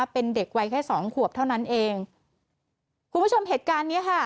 เป็นเด็กวัยแค่สองขวบเท่านั้นเองคุณผู้ชมเหตุการณ์เนี้ยค่ะ